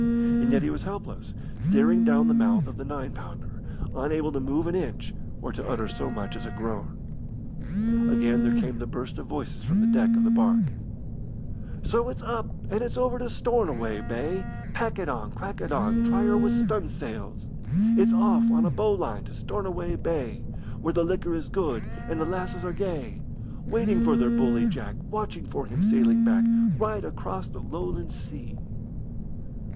And yet he was helpless, staring down the mouth of the nine pounder, unable to move an inch or to utter so much as a groan. Again there came the burst of voices from the deck of the barque. So it's up and it's over to Stornoway Bay, Pack it on! Crack it on! Try her with stunsails! It's off on a bowline to Stornoway Bay, Where the liquor is good and the lasses are gay, Waiting for their bully Jack, Watching for him sailing back, Right across the Lowland Sea.